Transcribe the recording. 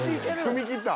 踏み切った。